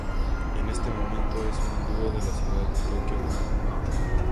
En este momento, es un dúo de la ciudad de Tokio, Japón.